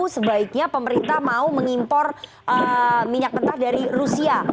sebaiknya pemerintah mau mengimpor minyak mentah dari rusia